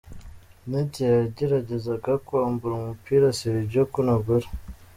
Benatia yageragezaga kwambura umupira Sergio Kun Aguero.